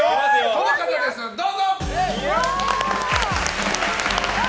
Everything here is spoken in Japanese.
この方です、どうぞ！